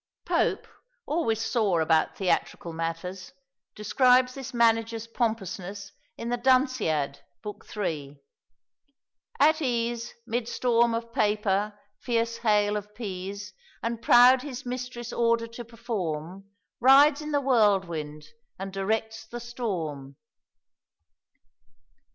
Pope, always sore about theatrical matters, describes this manager's pompousness in the Dunciad (book iii.): "At ease 'Midst storm of paper fierce hail of pease, And proud his mistress' order to perform, Rides in the whirlwind and directs the storm."